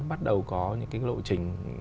bắt đầu có những cái lộ trình